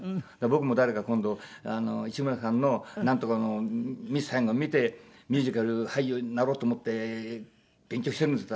僕も誰か今度「市村さんのナントカの『ミス・サイゴン』見てミュージカル俳優になろうと思って勉強してるんです」